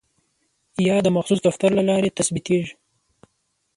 یا د مخصوص دفتر له لارې ثبتیږي.